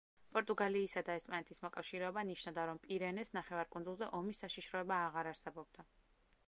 პორტუგალიისა და ესპანეთის მოკავშირეობა ნიშნავდა, რომ პირენეს ნახევარკუნძულზე ომის საშიშროება აღარ არსებობდა.